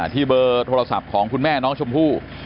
เบอร์โทรศัพท์ของคุณแม่น้องชมพู่